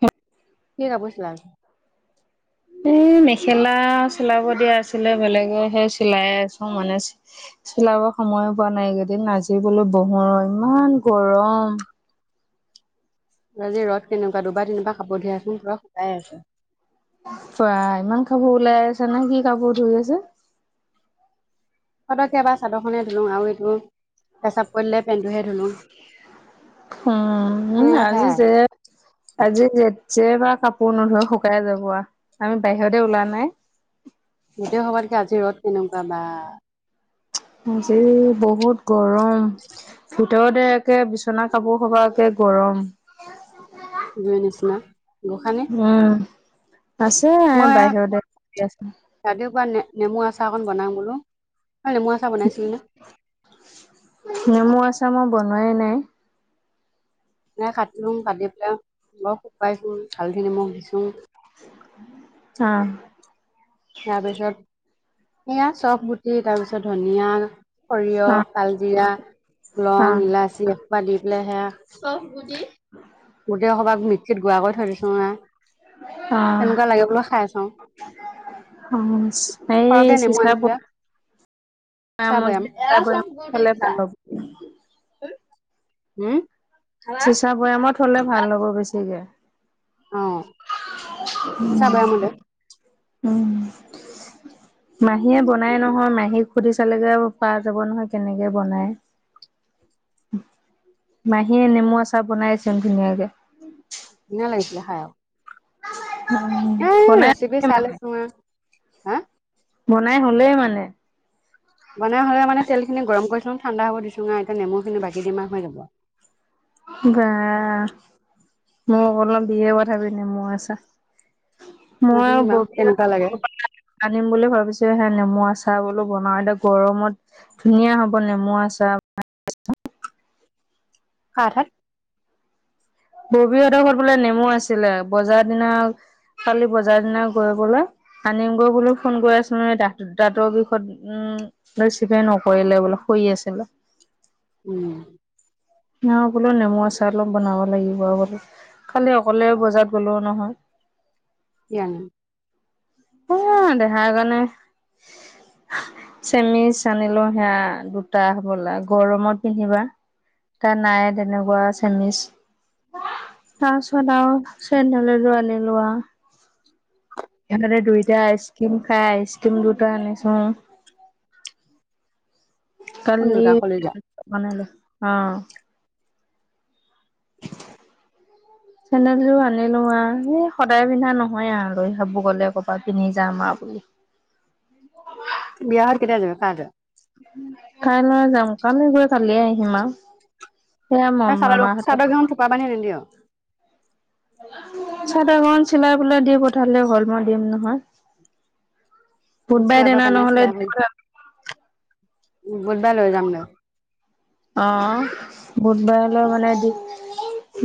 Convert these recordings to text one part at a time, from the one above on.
হ [unintelligible] এই মেখেলা চিলাব দিয়া আছিলে বেলেগৰ, সেয়া চিলাই আছোঁ মানে চি লাব সময়ো পোৱা নাই এইকেইদিন। আজি বোলো বহোঁ আৰু ইমান গৰম। আজি ৰ'দ কেনেকুৱা। দুবাৰ - তিনিবাৰ কাপোৰ ধুই আছোঁ, পুৰা শুকাই আছে। বা ইমান কাপোৰ ওলাই আছা নে কি কাপোৰ ধুই আছে? সতক্কে এবাৰ চাদৰখনে ধুলোঁ আৰু এইটো পেচাপ উম, সেনেকুৱা আজি সেয়াই জেঠ আজি জেঠ। যেইবাৰ কাপোৰ নধোৱা, শুকাই যাব আ। আমি বাহিৰতে ওলা নাই। গোটেই সোপাতকে আজি ৰ'দ কেনেকুৱা বা! আজি বহুত গৰম। ভিতৰতে একে বিচনা কাপোৰ সপাকে গৰম জুইৰ নিচিনা গোসানী উম। আছে মই বাহিৰতে আছে [unintelligible] নেমু আচাৰ অকণ বনাম বোলো। তই নেমু আচাৰ বনাইছিলি নে? নেমু আচাৰ মই বনোৱাই নাই। নাই, কাটিলো। কাটি পেলাই বৰ শুকুৱাইছোঁ, হালধি নিমখ দি ছোঁ। অ'। তাৰপিছত সেয়া চব দি তাৰপিছত ধুনীয়া, সৰিয়হ, কালজিৰা লং, অ', ইলাচি এইসোপা দি পেলাই সেয়া গোটেই সোপাক মিক্সিত গুড়া কৰি থৈ দিছোঁ আঁ। অ', তেনেকুৱা লাগে বোলে খাই চাওঁ। হম সৰহকে হেৰি নেমু চিচাৰ আনিছিলে বটল চিচা বৈয়াম [unintelligible] হম। চিঁচা বৈয়ামত থলে ভাল হ'ব বেছিকে। অ উম, চিচা বৈয়ামতে উম। মাহীয়ে বনাই নহয় মাহীক সুধি চালেগে আৰু পাৰা যাব নহয় কেনেকে বনাই। [inaudible] মাহীয়ে নেমু আচাৰ বনাইছে ধুনীয়াকে। ধুনীয়া লাগিছিলে খাই। হু এ বনাই ৰেচিপি আছে চাই মানে। লৈছো আ হা বনাই হ'লেই মানে। বনাই হ'লে মানে তেলখিনি গৰম কৰিছো ঠাণ্ডা হব দিছোং আ এতিয়া নেমুখিনি বাকী দিম হৈ যাব। বা মই অকমান দিয়ে পথাবি পিনে মই ছা। মই আও শুনিম বাও কেনেকুৱা লাগে [unintelligible] আনিম বুলি ভাবিছো হে নেমু আচাৰ বোলো বনাও তে গৰমত ধুনীয়া হ'ব নেমু আচা [inaudible] কা ঠত ববীহেতৰ বোলে নেমু আছিলে বজাৰ দিনা কালি বজাৰ দিনা গৈলৈ আনিমগৈ বোল ফোন কৰি আছিলো ম দ দাঁতৰ বিষত উম। উ ৰিচিভে নকৰিলে বোলে শুই আছিলে। উম। অ, বোলো নেমু আচাৰ অলপ বনাব লাগিব অ, বোলে কালি অকলে বজাৰ গ'লো নহয়। [unintelligible] সেয়া দেহাই জানে [inaudible] চেমিচ আনিলো সেয়া দুটা হবলা গৰমত পিন্ধিবা। কা নাই তেনেকুৱা চেমিছ। তাৰছত আৰু চেন্ডেল এজোৰ আনিলো আ ইহতে দে দুইটা আইচ ক্ৰীম খাই আইচ ক্ৰীম দুটা আনিছোঁ। [inaudible] কোন কালি দুটা কলিজা মানিলোঁ অ, [inaudible] চেন্ডেলজোৰ আনিলো আৰ সেই সদায় পিন্ধা নহয় আৰু লৈ ভাবো গ'লে ক'বাত পিন্ধি যাম আ বুলি‌। [inaudible] [unintelligible] বিয়া হৈ কেতিয়া যাবি [unintelligible] উম, কাইলৈ যাম কালি গৈ কালিয়ে আহিম আৰু। সেয়া এ ম'ম চাদৰ মামাহতৰ চাদৰ কেইখন থোপা বান্ধি নিদিয় চাহ খন চিলাই পেলাই দি পঠালে হল মই দিম নহয়। বুধবাৰে চিলাব দিনা পৰা নহ'লে দিব যাম উম, বুধবাৰে লৈ যাম দে। অ, বুধবাৰে লৈ গ'লে দি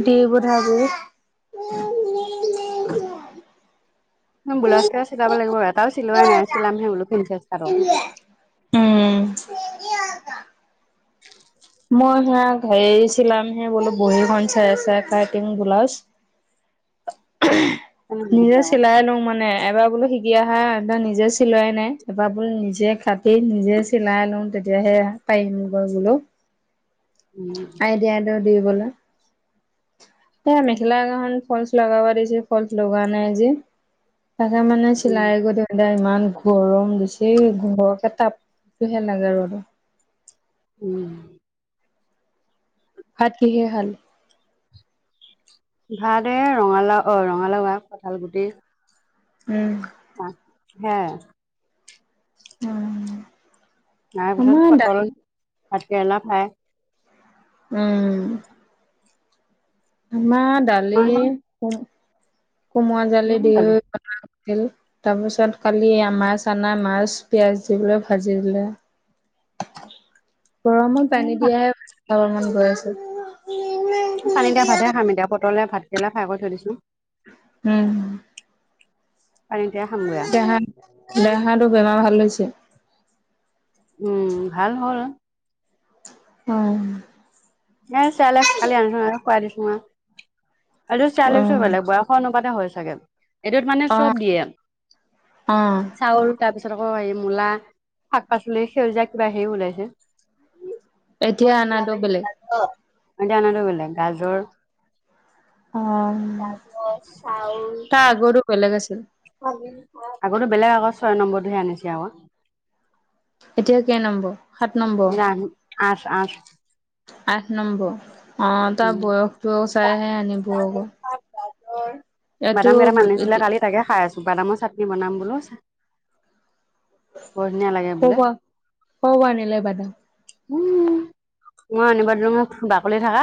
দি পঠাই দিবি [unintelligible] ব্লাউজ কেইটা চিলাব লাগিব বু এটাও চিলোৱাই নাই চিলাম সেই বোলো কিনধিছেছ আৰু। উম। মই সেয়া হেৰিছিলাম সি বোলো বহীখন চাই আছে কাটিং ব্লাউজ। [inaudible] নিজে তেওঁ চিলাই লওঁ মানে এবাৰ বোলো শিকি অ আহা এ নিজে চিলাই নাই এবাৰ বোলো নিজে কাটি নিজে চিলাই লওঁ তে তেতিয়াহে পাৰিম গৈ বোলো। উম, আই দিয়াই দে দিবলৈ। সে মেখেলা এখন ফলচ লগাব দিছে ফলচ লগোৱা নাই যে। তাকে মানে উম, চিলাই কৰি থাখিলে ইমান গৰম দিছে ঘৰকে টাপটোহে লাগে আৰু। উম। ভাত কিহেৰে খালে? ভাত এ ৰঙালাও অ' ৰঙালাও আগ, কঁঠাল গুটি। উম। হে। উম। তাৰ পিছত পটল, ভাত কেৰেলা ফ্ৰাই। উম। আমাৰ দালি কোমোৰা জালি দি। দালি তাৰপিছত কালি এয়া মাছ আনা মাছ, পিঁয়াজ দি পেলাই ভাজি দিলে। গৰমত পানী দিয়া ভাত খাবলৈ হে মন গৈ আছে। টানি দিয়া ভাতহে খাম এতিয়া পটলে, ভাতকেৰেলাই ফাই কৰি থৈ দিছো। হোম। পানী দিয়া খামগে আৰু দেহাটো বেমাৰ ভাল হৈছে? উম, ভাল হ'ল। ওম। এ চেয়াৰলেক্স কালি আনিছো আৰু খুৱাই দিছো আৰু। খালি চেয়াৰলেক্সটো অ', বেলেগ, বয়সৰ অনুপাতে হৈ চাগে। এইটোত মানে অ', চব অ', দিয়ে। চাউল তাৰপিছত আকৌ এই মূলা, শাক-পাচলি সেউজীয়া কিবা সেৰি ওলাইছে। এতিয়া আনাটো বেলেগ। এতিয়া অনাটো বেলেগ গাজৰ আ, তাৰ আগৰটো বেলেগ আছিল। আগৰটো বেলেগ আকো, ছয় নম্বৰটোহে আনিছে আকৌ। এতিয়া কেই নম্বৰ, সাত নম্বৰ। আঠ-আঠ। আঠ নম্বৰ, অ', তাৰ উম বয়সটোও চাইহে আনিব আকৌ। এইটো বাদাম কেইটামান কৰ আনিছিলে কালি তাকে খাই আছো। বাদামৰ চাটনি বনাম বোলো। বৰধুনীয়া লাগে বোলে। পৰা কৰ পৰা আনিলে বাদাম উম, মই আনিব দিলুং বাকলি থাকা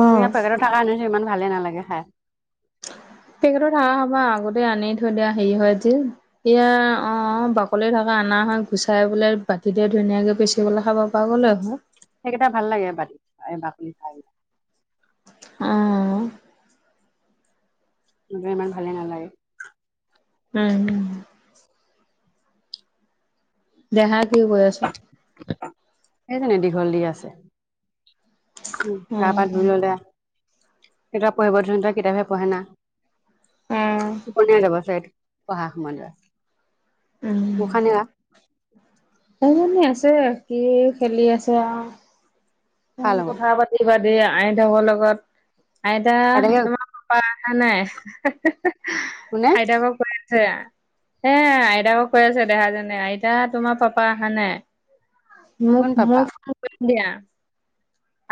উম, এ পেকেটত থকা আনিছে, ইমান ভালে নালাগে খাই। পেকেটত থকা খোপা আগতে আনি থৈ দিয়া হেৰি হয় যে, এতিয়া, অ', বাকলি থকা আনা হয় গুচাই বোলে, বাতিতে ধুনীয়াকে পিচিবলৈ খাব পৰা গ'লে হয়। সেইকেইটা ভাল লাগে এবাটি-এবাটি খাই। অহ। নহ ইমান ভালে নালাগে। উম। দেহা কি কৰি আছে? সেইজনে, দীঘল দি আছে উ, অ গা পা ধুই ললে। এতিয়া পঢ়িব ধৰোতে কিতাপে হে পঢ়ে না, উম তুপনিয়াই যাব চাগে। পঢ়া সময়ত। উম, উশাহ নিশাহ অ', শুই আছে। কি খেলি আছে কাৰ আৰু, লগত কথা পাতি-পাতি। এ আইতাকৰ লগত, আইতা আইতাকে তোমাৰ পাপা অহা নাই। কোনে? হে আইতাকক কৈ আছে দেহাজনে আইতা তোমাৰ পাপা আহা নাই। কোন পাপা মোক-মোক দিয়া।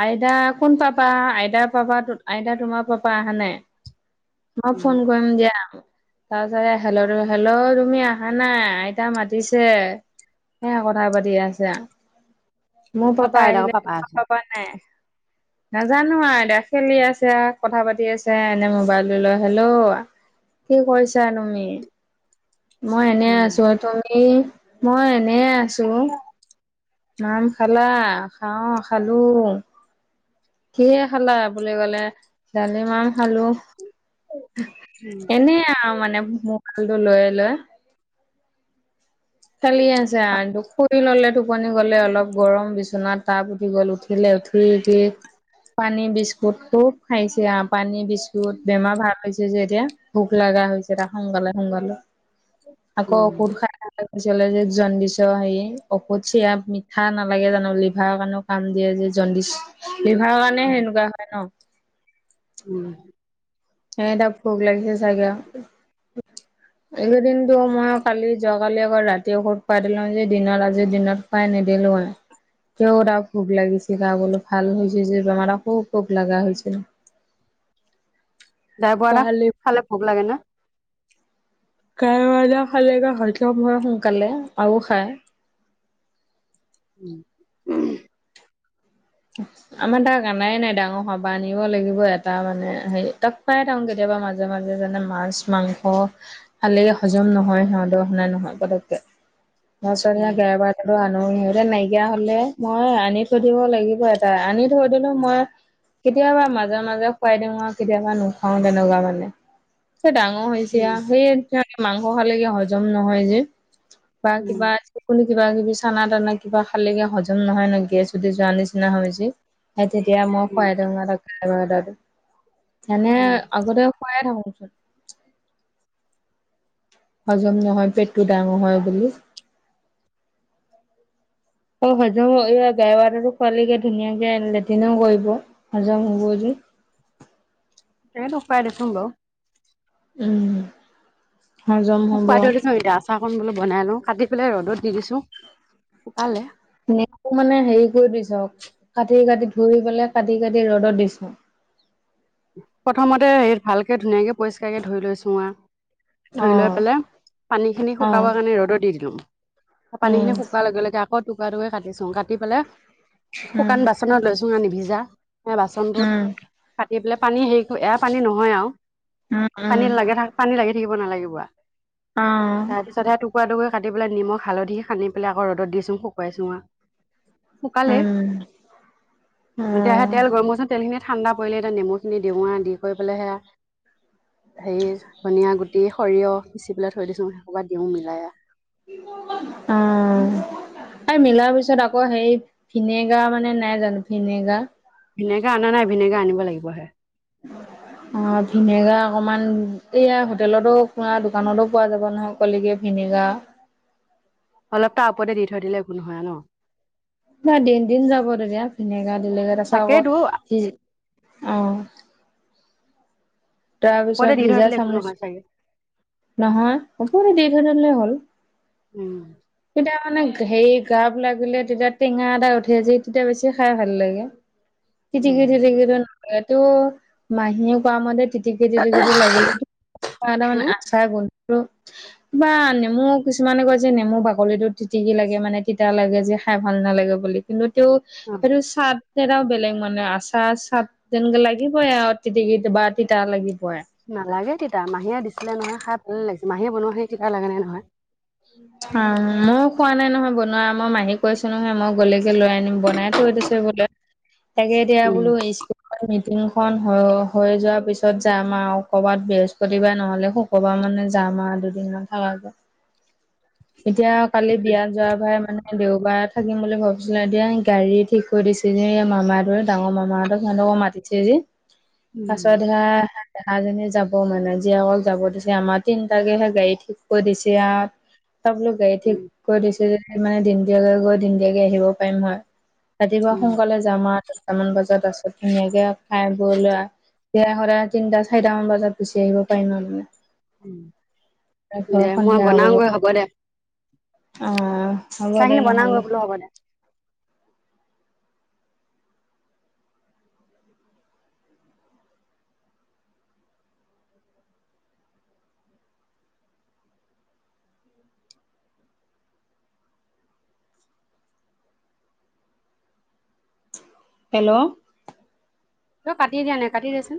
আইতা কোন পাপা-আইতা, পাপা-আইতা তোমাৰ পাপা আহা নাই। মই উম ফোন কৰিম দিয়া। তাৰ পিছত হেল, হেল্ল', তুমি আহা নাই আইতা মাতিছে। সেয়া কথা পাতি আছো মোৰ অ পাপা তাইৰ লগত আহিলে। পাপা আছে আহ নাজানো এতিয়া খেলি আছে কথা পাতি আছে এনে মোবাইল লৈ হলো। কি কৰিছা তুমি? মই এনে উম আছো আৰু তুমি মই এনে আছো। নাম খালা খাও খালো। কি খালা বুলি ক'লে ডালিমাহ খালো। উম এনে মানে মালটো লৈয়ে লৈ। চলি আছে আৰু দুখ ললে টোপনি গলে অলপ গৰম বিচনাত টাপ উঠি গল উঠিলে উঠি পানী বিস্কুত চত খাইছে আহ পানী বিস্কুত বেমাৰ ভাল হৈছে যে এতিয়া ভোক লাগ হৈছে এ সে সকালে কি আকৌ কুৰ্ষা পিছলে যে জডিছ হেৰি ঔষধ চিৰাা মিঠা নালাগে জানো লিভাৰৰ কাৰণো কাম দিয়ে যে। দি বিভাৰৰ কাৰণে সেনেকুৱা হয় ন। উম, হে এটা ভোক লাগিছে চাগে। [inaudible] এইকেইদিনটো মই কালি যোৱাকালি আকৌ ৰাতি ঔষধ খুৱাই দিলো যে দিনত আজি দিনত খুৱাই নিদিলো। [unintelligible] কেৰা ভুব লাগিছে গা বল ভাল হৈ হৈছে যে বেমাৰ খুব ভোক লাগা হৈছিল। যাই ব পাহালি খালে ভোক লাগে না। কা খালে হয়ক্ষ হয়য সোনকালে আৰু খায়। উম, আমাৰ তাক অননাই নাই ডাঙৰ সবাহ আনিব লাগিব এটা মানে হেৰি তাক পাই থাকো কেতিয়াবা মাজে মাজে যেনে মাছ মাংস খালে হজম নহয় সিহতৰ স নাই নহয় পকে। [inaudible] মচ উম, গেবাৰ আনো সিহতে নাইকিয়া হলে মই আনি থৈধিব লাগিব। এটা আনি থৈ দিলো মই। কেতিয়াবা মাজে মাজে খুৱাই দিও আৰু কেতিয়াবা নুখাও তেনেকুৱা মানে। ডাঙৰ হৈছে উম, সেইে মাংস খালেকে হজম নহয় যে। বা কিবা কোনো কিবা কিবি চানা তানা কিবা খালেগে হজম নহয় নকিয় যদি যোৱা নিচিনা নিচিনা হৈ হৈছে সেই তেতিয়া মই উম, খুৱইটেঙা ত যেনে উম, আগতে খুৱে থাকোচোন। হজম নহয় পেটটো ডাঙৰ হয় বুলি। অ, হজম হ এই গে বাতো খোৱালীকে ধুনীয়াকে লেট্ৰনেও কৰিব হজম হ'ব যে। সটো উপ - উপাই দিছো গ উম, হজম হ'ব। চফকণ বোলো বনাই লও কাটি পেলাই ৰ'দত দি দিছো শুকালে নো মানে হেৰি কৰি দি চক [unintelligible] কাটি - কাটি ধুই পেলাই কাটি - কাটি ৰ'দত দিছো। প্ৰথমতে হেৰি ভালকে ধুনীয়াকে পৰিষ্কাৰকে ধৰি লৈছো আ অ ধৈ লৈ পেলাই পানী খিনি অ শুকাব কাৰণে ৰ'দত দি দিলো। উম, পানী খিনি শুকোৱাৰ লগে - লগে আকৌ টুকুৰা টুৰা কাটিছো কাটি পেলাই উম, শুকান বাচনত লৈছো আনি ভিজা এ বাচনটোত উম, কাটি পেলাই পানী হেৰি এয়া পানী নহয় আৰু। উম, পানী উম, লাগে থ পানী লাগি থাকিব নালাগিব। অ', শুকুৱা টুকুৰা কাটি পেল নিখ হালধি সানি পেলাই আকৌ' দত দি শুকুৱাই চোঁ আৰু। উম, অ', অ', শুকালে এতিয়া আহে তেল গৰম হৈছ তেলখিনি ঠাণ্ডা পৰিলে এতিয়া নেমু খিনি দিওৰা দি কৰি পেলাইহে হেৰি ধনীয়া গুট দি সৰিয়হ পিচি পেলাই থৈ দিছো সেই কোবা দিওঁও মিলাই। উ এই মিলাৰ পিছত আকৌ সেই ভিনেগা মানে নাই জানো ভিনেগা ভিনেগাৰ অনা নাই ভিনেগাৰ আনিব লাগিবহে। অ ভিনেগাৰ অকমান এইয়া হোটেলতো পুৰা দোকানতো পোৱা যাব নহয় অকললেগে এনেকুৱা অলপ তটা ওপতে দি থৈ দিলে একো নহয় ন। নাই দিন দিন যাব দেতিয়া ভিনেগাৰ দিলেগাৰ তাৰছা তাকেইতো আকৌ অহ, তাৰপিছত ওপৰতে দি থৈ ভিজা দিলে একো চামুচ নহয় চাগে নহয় আপু দি থলে হ'ল। উম এতিয়া অ নাই। হেৰি গাপ লাগিলে তেতিয়া টেঙা এটা উঠিছে তেতিয়া বেছি খাই ভাল লাগে। উম তিটিকি তিটিকি ন এইটো মাহিন কোৱা মতে। টিকেট টিকো লাগিলে ত মান উম আশা গ। আৰু বা নেমু কিছুমানে কয় যে নেমু বাকলিটোো তিতিিকি লাগে মানে তিতা লাগে যে। খাই ভাল নালাগে বুলি কিন্তু তেওঁ অ সেইটো চাদ। তেটাও বেলেগ মানে আচাৰ চাপ যেন লাগিবই তি টিকি বা তিতা লাগি। নালাগে তেতিতা মাহীয়ে দিছিলে নহয় খাই ভাল লাগিছিল মাহীয়ে বনোৱা সেই কিবা লাগে নে নহয়। অ মোক কোৱা নাই নহয় বনোৱা মই মাহী কৈছো নহয় মই গলেকে লৈই আনিম বনাই থৈ দিছে বোলে। তাকে এতিয়া উম বোলো স্কুল। মটিংখন হৈ হৈ যোৱাৰ পিছত যাম আৰু ক'বাত বৃহস্পতিবাৰ নহ'লে শুক্ৰবাৰ মানে যাম। আমাৰ দুদিনমান খাৱা যায়। [unintelligible] এতিয়া কালি বিয়াত যোৱাৰ ভাই মানে দেওবাৰে থাকিম বুলি ভাবিছিলে এতিয়া গাড়ী ঠিক কৰি। দিছে যে মামাহটোৰে ডাঙৰ মামাহঁতক সিহঁতক মাতিছে যে তাৰ উম পাছত সি এহাজনী যাব মানে জীয়েকলক যাব দিছে আমাৰ তিনটাকেহে গাড়ী ঠিক কৰি দিছে। তবলোক গাড়ী ঠিক উম কৰিৈ দিছে যে মানে দিনদিয়াকৈ গৈ দিনদিয়াকে আহিব পাৰিম হয়। ৰাতিপুৱা উম সোনকালে যাম আৰু দটামান বজাত তাছত ধুনীয়াকে খাই বৈ ল। এয়া সৰা তিনিটা চাৰিটা মান বজাত গুচি আহিব পাৰিম আৰু উম মানে। দে ঘৰখন মই বিয়া হব। বনাওঁগৈ দে অহ হবলে চাহখিনি বনাওঁগৈ নহ'লে। বোলো হ'ব দে হেল্ল' তই কাটি দিয়া নাই কাটি দেচোন।